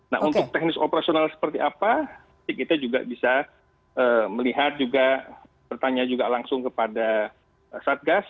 nah untuk teknis operasional seperti apa kita juga bisa melihat juga bertanya juga langsung kepada satgas